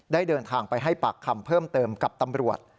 เดินทางไปให้ปากคำเพิ่มเติมกับตำรวจ